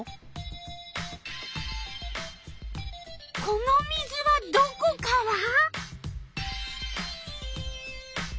この水はどこから？